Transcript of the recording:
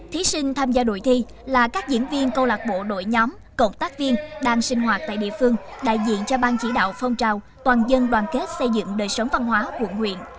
thí sinh tham gia đội thi là các diễn viên câu lạc bộ đội nhóm cộng tác viên đang sinh hoạt tại địa phương đại diện cho ban chỉ đạo phong trào toàn dân đoàn kết xây dựng đời sống văn hóa quận huyện